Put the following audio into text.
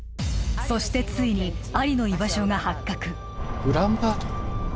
そしてついにアリの居場所が発覚ウランバートル？